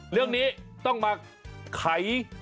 เรื่องนี้ต้องมาไข